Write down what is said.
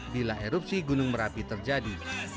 bila erupsi gunung merapi terjadi